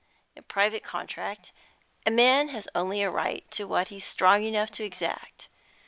In private contract a man has only a right to what he's strong enough to exact.